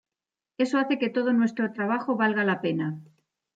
Eso hace que todo nuestro trabajo valga la pena".